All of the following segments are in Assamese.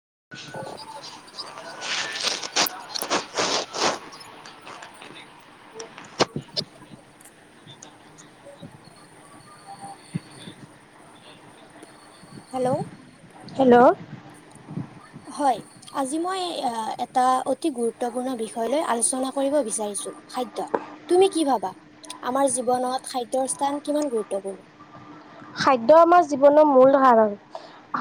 [unintelligible] হেল্ল' হেল্ল' হয়। আজি মই আহ এটা অতি গুৰুত্বপূৰ্ণ বিষয় লৈ আলোচনা কৰিব বিচাৰিছোঁ, খাদ্য। তুমি কি ভাবা, আমাৰ জীৱনত খাদ্যৰ স্থান কিমান গুৰুত্বপূৰ্ণ? খাদ্য আমাৰ জীৱনৰ মূল ধাৰণ,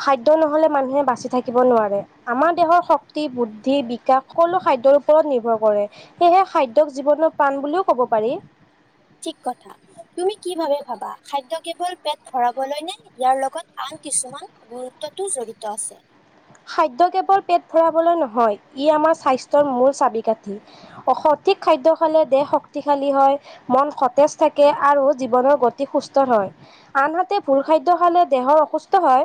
খাদ্য নহ'লে মানুহে বাচি থাকিব নোৱাৰে। আমাৰ দেহৰ শক্তি, বুদ্ধি, বিকাশ সকলো খাদ্যৰ ওপৰত নিৰ্ভৰ কৰে। সেয়েহে খাদ্যক জীৱনৰ প্ৰাণ বুলিও ক'ব। ঠিক কথা। তুমি কি ভাবে ভাবা খাদ্য কেৱল পেট ভৰাবলৈ নে ইয়াৰ লগত আন কিছুমান গুৰুত্বতো জড়িত আছে। খাদ্য কেৱল পেট ভৰাবলৈ নহয় ই আমাৰ স্বাস্থ্যৰ মূল চাবি-কাঠি। অ' সঠিক খাদ্য খালে দেহ শক্তিশালী হয়। মন সতেজ থাকে আৰু জীৱনৰ গতি সুস্থ হয়। আনহাতে ভুল খাদ্য খালে দেহৰ অসুস্থ হয়।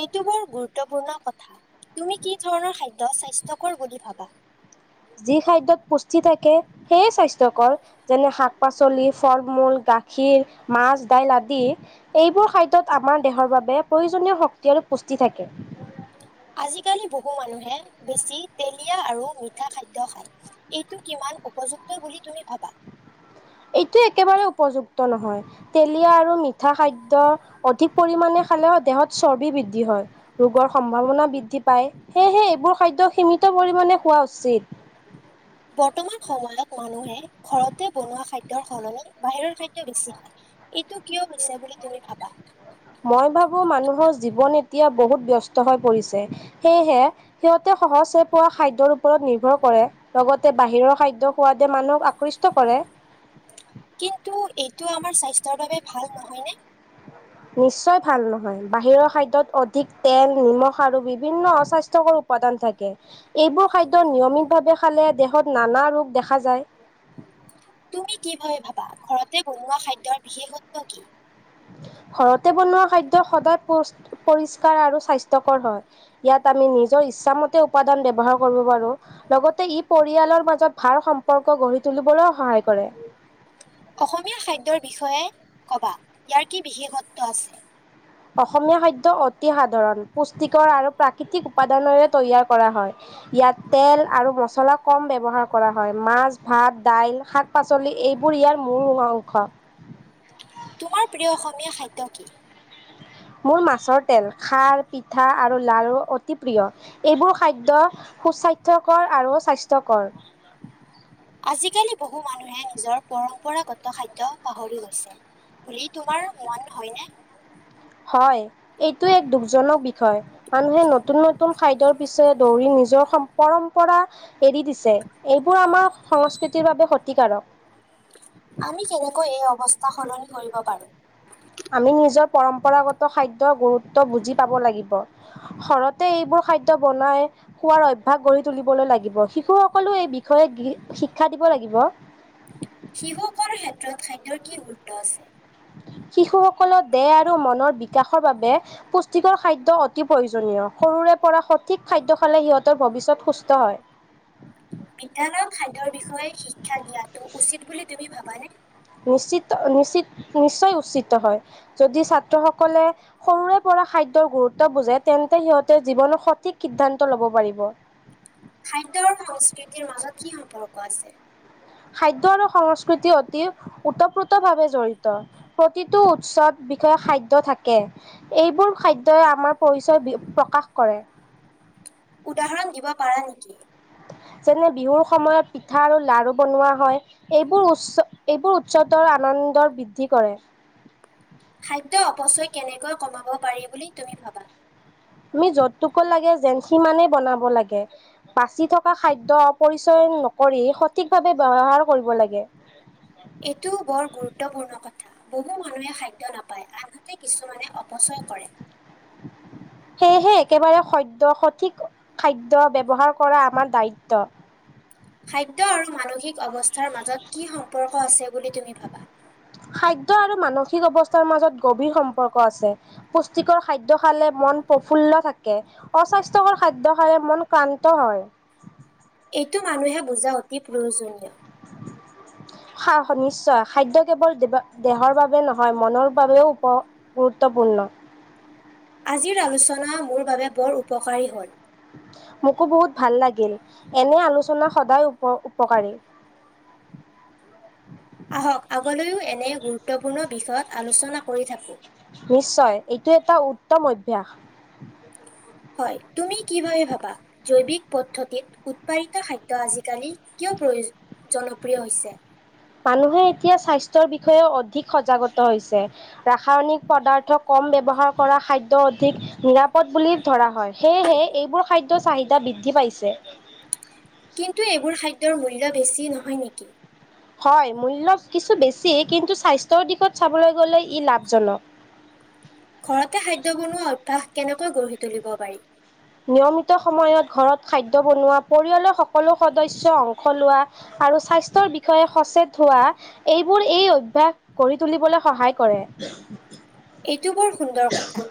এইটো বৰ গুৰুত্বপূৰ্ণ কথা, তুমি কি ধৰণৰ খাদ্য স্বাস্থ্যকৰ বুলি ভাবা? যি খাদ্যত পুষ্টি থাকে সেইয়ে স্বাস্থ্যকৰ। যেনে শাক-পাচলি, ফল-মূল, গাখীৰ, মাছ, দাইল আদি এইবোৰ খাদ্যত আমাৰ দেহৰ বাবে প্ৰয়োজনীয় শক্তি আৰু পুষ্টি থাকে। আজিকালি বহু মানুহে বেছি তেলীয়া আৰু মিঠা খাদ্য খায়। এইটো কিমান উপযুক্ত বুলি তুমি ভাবা? এইটো একেবাৰে উপযুক্ত নহয়। তেলীয়া আৰু মিঠা খাদ্য অধিক পৰিমাণে খালেয়ো দেহত চৰ্বি বৃদ্ধি হয়। ৰোগৰ সম্ভাৱনা বৃদ্ধি পায়, সেয়েহে এইবোৰ খাদ্য সীমিত পৰিমাণে খোৱা উচিত। বৰ্তমান সময়ত মানুহে ঘৰতে বনোৱা খাদ্যৰ সলনি বাহিৰৰ খাদ্য বেছি খায়। এইটো কিয় হৈছে বুলি তুমি ভাবা? মই ভাবোঁ মানুহৰ জীৱন এতিয়া বহুত ব্যস্ত হৈ পৰিছে, সেয়েহে সিহঁতে সহজ হৈ পোৱা খাদ্যৰ ওপৰত নিৰ্ভৰ কৰে। লগতে বাহিৰৰ খাদ্য সোৱাদে মানুহক আকৃষ্ট কৰে। কিন্তু এইটো আমাৰ স্বাস্থ্যৰ বাবে ভাল নহয় নে? নিশ্চয় ভাল নহয়, বাহিৰৰ খাদ্যত অধিক তেল, নিমখ আৰু বিভিন্ন অস্বাস্থ্যকৰ উপৎাদান থাকে, এইবোৰ খাদ্য নিয়মিতভাৱে খালে দেহত নানা ৰোগ দেখা যায়। তুমি কি ভাবে ভাবা ঘৰতে বনোৱা খাদ্যৰ বিশেষত্ব কি? ঘৰতে বনোৱা খাদ্য সদায় পষ-পৰিষ্কাৰ আৰু স্বাস্থ্যকৰ হয়। ইয়াত আমি নিজৰ ইচ্ছামতে উপাদান ব্যৱহাৰ কৰিব পাৰোঁ। লগতে ই পৰিয়ালৰ মাজত ভাল সম্পৰ্ক গঢ়ি তুলিবলৈয়ো সহায় কৰে। অসমীয়া খাদ্যৰ বিষয়ে কবা, ইয়াৰ কি বিশেষত্ব আছে? অসমীয়া খাদ্য অতি সাধাৰণ। পুষ্টিকৰ আৰু প্ৰাকৃতিক উপাদানেৰে তৈয়াৰ কৰা হয়। ইয়াত তেল আৰু মছলা কম ব্যৱহাৰ কৰা হয়। মাছ, ভাত, দাইল শাক পাচলি এইবোৰ ইয়াৰ মূল [unintelligible] অংশ। তোমাৰ প্ৰিয় অসমীয়া খাদ্য কি? মোৰ মাছৰ তেল, খাৰ, পিঠা আৰু লাৰু অতি প্ৰিয়। এইবোৰ খাদ্য সুস্বাস্থ্যকৰ আৰু স্বাস্থ্যকৰ। আজিকালি বহু মানুহে নিজৰ পৰম্পৰাগত খাদ্য পাহৰি গৈছে। বুলি তোমাৰ মন হয়নে? হয়, এইটো এক দুখজনক বিষয়। মানুহে নতুন নতুন খাইদৰ পিছত দৌৰি নিজৰ হম পৰম্পৰা এৰি দিছে, এইবোৰ আমাৰ সংস্কৃতিৰ বাবে ক্ষতিকাৰক। আমি কেনেকৈ এই অৱস্থা সলনি কৰিব পাৰো? আমি নিজৰ পৰম্পৰাগত খাদ্যৰ গুৰুত্ব বুজি পাব লাগিব। ঘৰতে এইবোৰ খাদ্য বনাই খোৱাৰ অভ্যাস গঢ়ি তুলিবলৈ লাগিব, শিশুসকলো এই বিষয়ে গি শিক্ষা দিব লাগিব। শিশুসকলৰ ক্ষেত্ৰত খাদ্যৰ কি গুৰুত্ব আছে? শিশুসকলৰ দেহ আৰু মনৰ বিকাশৰ বাবে পুষ্টিকৰ খাদ্য অতি প্ৰয়োজনীয়, সৰুৰে পৰা সঠিক খাদ্য খালে সিহঁতৰ ভৱিষ্যত সুস্থ হয়। বিদ্যালয়ত খাদ্যৰ বিষয়ে শিক্ষা দিয়াটো উচিত বুলি তুমি ভাবানে? নিশ্চিত, নিশ্চিত, নিশ্চয় উচিত হয়, যদি ছাত্ৰ সকলে সৰুৰে পৰা খাদ্যৰ গুৰুত্ব বুজে তেন্তে সিহঁতে জীৱন সঠিক সিদ্ধান্ত ল'ব পাৰিব। খাদ্য আৰু সংস্কৃতিৰ মাজত কি সম্পৰ্ক আছে? খাদ্য আৰু সংস্কৃতি অতি ওতঃপ্ৰোতভাৱে জড়িত। প্ৰতিটো উৎসৱ বিষয়ে খাদ্য থাকে। এইবোৰ খাদ্যই আমাৰ পৰিচয় বি প্ৰকাশ কৰে। উদাহৰণ দিব পাৰা নেকি? যেনে বিহুৰ সময়ত পিঠা আৰু লাৰু বনোৱা হয়। এইবোৰ উচ্চ, এইবোৰ উৎচৱ [unintelligible] আনন্দৰ বৃদ্ধি কৰে। খাদ্য অপচয় কেনেকৈ কমাব পাৰি বুলি তুমি ভাবা? তুমি য'তটোকো লাগে যেন সিমানে বনাব লাগে। বাচি থকা খাদ্য অপৰিচয় নকৰি সঠিকভাৱে ব্যৱহাৰ কৰিব লাগে। এইটো বৰ গুৰুত্বপূৰ্ণ কথা। বহু মানুহে খাদ্য নাপায়, আনহাতে কিছুমানে অপচয় কৰে। সেয়েহে একেবাৰে সদ্য, সঠিক খাদ্য ব্যৱহাৰ কৰা আমাৰ দায়িত্ব। খাদ্য আৰু মানসিক অৱস্থাৰ মাজত কি সম্পৰ্ক আছে বুলি তুমি ভাবা? খাদ্য আৰু মানসিক অৱস্থাৰ মাজত গভীৰ সম্পৰ্ক আছে। পুষ্টিকৰ খাদ্য খালে মন প্ৰফুল্ল থাকে। অস্বাস্থ্যকৰ খাদ্য খালে মন ক্লান্ত হয়। এইটো মানুহে বুজা অতি প্ৰয়োজনীয়। সা নিশ্চয়, খাদ্য কেৱল দে-দে-দেহৰ বাবে নহয় মনৰ বাবেও উপ গুৰুত্বপূৰ্ণ। আজিৰ আলোচনা মোৰ বাবে বৰ উপকাৰী হ'ল। মোকো বহুত ভাল লাগিল। এনে আলোচনা সদায় উপ উপকাৰী। আহক আগলৈও এনে গুৰুত্বপূৰ্ণ বিষয়ত, আলোচনা কৰি থাকো। নিশ্চয়, এইটো এটা উত্তম অভ্যয়াস। হয় তুমি কি ভাবে ভাবা? জৈৱিক পদ্ধতিত উৎপাদিত খাদ্য আজিকালি কিয় প্ৰয়ো [inaudible] জনপ্ৰিয় হৈছে? মানুহে এতিয়া স্বাস্থ্যৰ বিষয়েও অধিক সজাগতা হৈছে। ৰাসায়নিক পদাৰ্থ কম বয্ৱহাৰ কৰা খাদ্য অধিক নিৰাপদ বুলি ধৰা হয়, সেয়েহে এইবোৰ খাদ্যৰ চাহিদা বৃদ্ধি পাইছে। কিন্তু এইবোৰ খাদ্যৰ মূল্য বেছি নহয় নেকি? হয়, মূল্য কিছু বেছি কিন্তু স্বাস্থ্যৰ দিশত চাবলৈ গ'লে ই লাভজনক। ঘৰতে খাদ্য বনোৱা অভ্যাস কেনেকৈ গঢ়ি তুলিব পাৰি? নিয়মিত সময়ত ঘৰত খাদ্য বনোৱা, পৰিয়ালৰ সকলো সদস্য় অংশ লোৱা আৰু স্বাস্থ্যৰ বিষয়ে সচেত হোৱা এইবোৰ এই অইভ্যাক গঢ়ি তুলিবলৈ সহায় কৰে। এইটো বৰ সুন্দৰ কথা।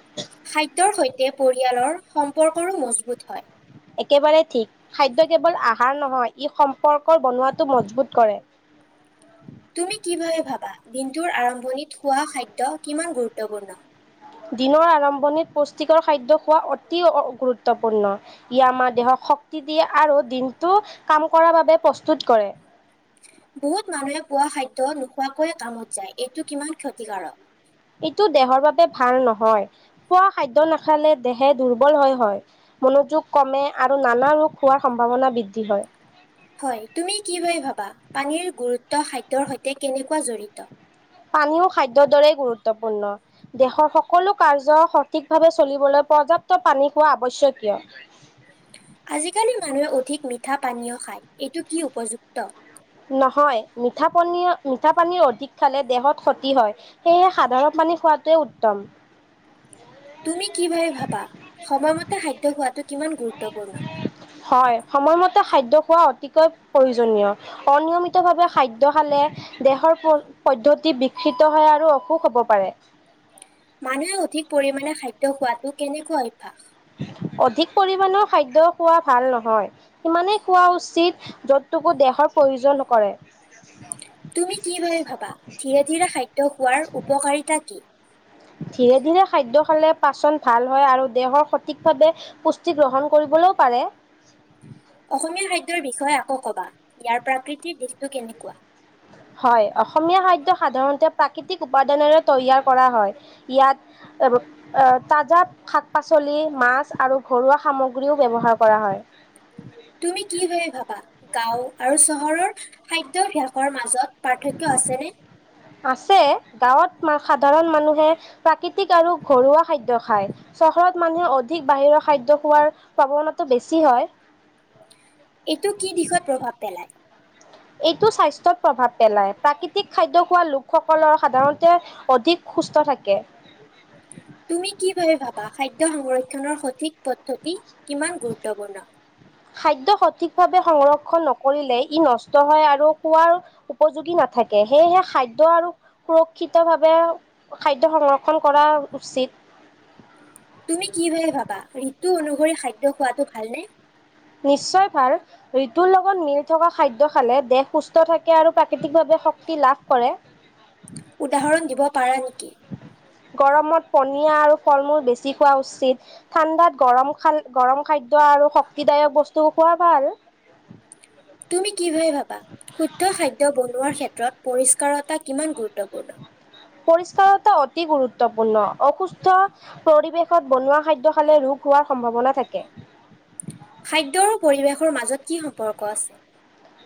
খাদ্যৰ সৈতে পৰিয়ালৰ সম্পৰ্কৰো মজবুত হয়। একেবাৰে ঠিক। খাদ্য কেৱল আহাৰ নহয়, ই সম্পৰ্কৰ বনোৱাটো মজবুত কৰে। তুমি কি ভাবে ভাবা, দিনটোৰ আৰম্ভণিত খোৱা খাদ্য কিমান গুৰুত্বপূৰ্ণ? দিনৰ আৰম্ভণিত পুষ্টিকৰ খাদ্য খোৱা অতি গুৰুত্বপূৰ্ণ। ইয়ে আমাৰ দেহক শক্তি দিয়ে আৰু দিনটো কাম কৰাৰ বাবে প্ৰস্তুত কৰে। বহুত মানুহে পোৱা খাদ্য নোখোৱাকৈয়ে কামত যায়, এইটো কিমান ক্ষতিকাৰক? ইটো দেহৰ বাবে ভাল নহয়। খোৱা খাদ্য নাখালে দেহে দুৰ্বল হয় হয়। মনোযোগ কমে আৰু নানা ৰোগ হোৱাৰ সম্ভাৱনা বৃদ্ধি হয়। হয়, তুমি কি [unintelligible] ভাবা, পানীৰ গুৰুত্ব খাদ্যৰ সৈতে কেনেকুৱা জড়িত? পানীও খাদ্যৰ দৰেই গুৰুত্বপূৰ্ণ। দেশৰ সকলো কাৰ্য সঠিকভাৱে চলিবলৈ পৰ্যাপ্ত পানী খোৱা আৱশ্যকীয়। আজিকালি মানুহে অধিক মিঠা পানীয় খায়, এইটো কি উপযুক্ত? নহয়, মিঠা পনী, মিঠা পানী অধিক খালে দেহত ক্ষতি হয়। সেয়েহে সাধাৰণ পানী খোৱাটোৱে উত্তম। তুমি কি ভাবে ভাবা, সময়মতে খাদ্য খোৱটো কিমান গুৰুত্বপূৰ্ণ? হয়, সময়মতে খাদ্য খোৱা অতিকৈ প্ৰয়োজনীয়। অনিয়মিতভাৱে খাদ্য খালে দেহৰ পদ্ধতি বিকিত হয় আৰু অসুখ হব পাৰে। মানুহে অধিক পৰিমমানে খাদ্য খোৱাটো কেনেকুৱা অভ্যাস? অধিক পৰিমাণেউ খাদ্য খোৱা ভাল নহয়। সিমানেইে খোৱা উচিত যতটকো দেহৰ প্ৰয়োজন কৰে। তুমি কি ভাবে ভাবা, ধীৰে-ধীৰে খাদ্য খোৱাৰ উপকাৰিতা কি? ধীৰে-ধীৰে খাদ্য খালে পাচন ভাল হয় আৰু দেহৰ সঠিকভাৱে পুষ্টি গ্ৰহণ কৰিবলৈও পাৰে। অসমীয়া খাদ্যৰ বিষয়ে আকৌ কবা, ইয়াৰ প্ৰাকৃতিৰ দিশটো কেনেকুৱা? হয়, অসমীয়া খাদ্য সাধাৰণতে প্ৰাকৃতিক উপাদানেৰে তৈয়াৰ কৰা হয়। ইয়াত [unintelligible] তাজা শাক পাচলি, মাছ আৰু ঘৰুৱা সামগ্ৰীও ব্যৱহাৰ কৰা হয়। তুমি কি ভাবে ভাবা, গাঁও আৰু চহৰৰ খাদ্যাভাসৰ মাজত পাঠক্য আছেনে? আছে, গাঁৱত মা সাধাৰণ মানুহে প্ৰাকৃতিক আৰু ঘৰুৱা খাদ্য খায়। চহৰত মানুহে অধিক বাহিৰৰ খাদ্য খোৱাৰ প্ৰাৱনাটো বেছি হয় এইটো কি দিশত প্ৰভাৱ পেলায়? এইটো স্বাস্থ্যত প্ৰভাৱ পেলায় প্ৰাকৃতিক খাদ্য খোৱা লোকসকলৰ সাধাৰণতে অধিক সুস্থ থাকে তুমি কি ভাবে ভাবা খাদ্য সংৰক্ষণৰ সঠিক পদ্ধতি কিমান গুৰুত্বপূৰ্ণ? খাদ্য সঠিকভাৱে সংৰক্ষণ নকৰিলে ই নষ্ট হয় আৰু খোৱাৰ উপযোগী নাথাকে সেয়েহে খাদ্য আৰু সুৰক্ষিত ভাৱে খাদ্য সংৰক্ষণ কৰা উচিত তুমি কি ভাবে ভাবা ঋতু অনুসৰি খাদ্য খোৱাটো ভালনে? নিশ্চয় ভাল ঋতুৰ লগত মিল থকা খাদ্য খালে দেহ সুস্থ থাকে আৰু প্ৰাকৃতিকভাৱে শক্তি লাভ কৰে উদাহৰণ দিব পাৰা নেকি? গৰমত পনীয়া আৰু ফল মূল বেছি খোৱা উচিত ঠাণ্ডাত গৰম খাল গৰম খাদ্য আৰু শক্তিদায়ক বস্তু খোৱা ভাল তুমি কি ভাবে ভাবা শুদ্ধ খাদ্য বনোৱাৰ ক্ষেত্ৰত পৰিষ্কাৰতা কিমান গুৰুত্বপূৰ্ণ? পৰিষ্কাৰতা অতি গুৰুত্বপূৰ্ণ অসুস্থ পৰিৱেশত বনোৱা খাদ্য খালে ৰোগ হোৱাৰ সম্ভাৱনা থাকে খাদ্য আৰু পৰিৱেশৰ মাজত কি সম্পৰ্ক আছে?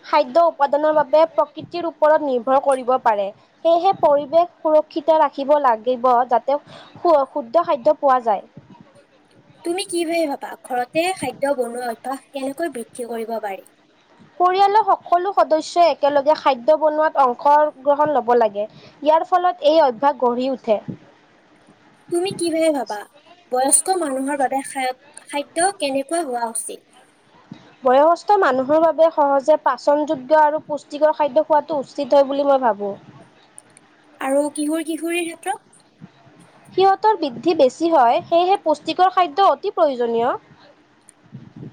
খাদ্য উপাদানৰ বাবে প্ৰকৃতিৰ ওপৰত নিৰ্ভৰ কৰিব পাৰে সেয়েহে পৰিৱেশ সুৰক্ষিত ৰাখিব লাগিব যাতে শু শুদ্ধ খাদ্য পোৱা যায় তুমি কি বুলি ভাবা ঘৰতে খাদ্য বনোৱা অভ্যাস কেনেকৈ বৃদ্ধি কৰিব পাৰি? পৰিয়ালৰ সকলো সদস্যই একেলগে খাদ্য বনোৱাত অংশগ্ৰহণ ল'ব লাগে ইয়াৰ ফলত এই অভ্যাস গঢ়ি উঠে তুমি কি ভাবে ভাবা বয়স্ক মানুহৰ বাবে খা খাদ্য কেনেকুৱা হোৱা উচিত? বয়সস্থ মানুহৰ বাবে সহজে পাচনযোগ্য আৰু পুষ্টিকৰ খাদ্য খোৱাটো উচিত হয় বুলি মই ভাবোঁ আৰু কিশোৰ কিশোৰীৰ ক্ষেত্ৰ সিহঁতৰ বৃদ্ধি বেছি হয় সেয়েহে পুষ্টিকৰ খাদ্য অতি প্ৰয়োজনীয়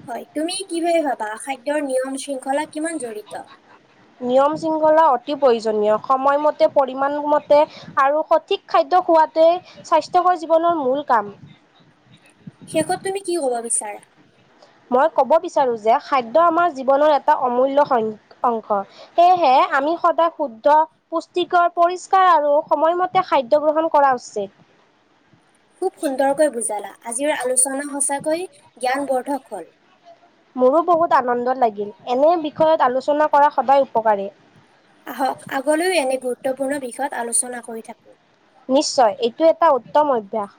হয় তুমি কি বুলি ভাবা খাদ্যৰ নিয়ম শৃংখলা কিমান জড়িত? নিয়ম শৃংখলা অতি প্ৰয়োজনীয় সময়মতে, পৰিমাণমতে আৰু সঠিক খাদ্য খোৱাটোৱে স্বাস্থ্যকৰ জীৱনৰ মূল কাম শেষত তুমি কি কব বিচাৰা মই ক'ব বিচাৰোঁ যে খাদ্য আমাৰ জীৱনৰ এটা অমূল্য সং অংশ সেয়েহে আমি সদায় শুদ্ধ পুষ্টিকৰ, পৰিষ্কাৰ আৰু সময়মতে খাদ্য গ্ৰহণ কৰা উচিত। খুব সুন্দৰকৈ বুজালা আজিৰ আলোচনা সঁচাকৈ জ্ঞান বৰ্ধক হল। মোৰো বহুত আনন্দত লাগিল এনে বিষয়ত আলোচনা কৰা সদায় উপকাৰী আহক আগলৈও এনে গুৰুত্বপূৰ্ণ বিষয়ত আলোচনা কৰি থাকো। নিশ্চয় এইটো এটা উত্তম অভ্যাস